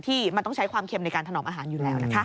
ที่มันต้องใช้ความเค็มในการถนอมอาหารอยู่แล้วนะคะ